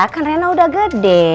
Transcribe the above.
kan rena udah gede